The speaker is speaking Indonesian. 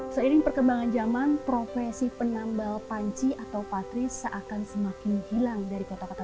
seiring perkembangan zaman profesi penambal panci atau patris seakan semakin hilang dari kota kota